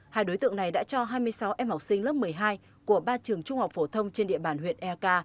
hai đối tượng này đã cho hai mươi sáu em học sinh lớp một mươi hai của ba trường trung học phổ thông trên địa bàn huyện eak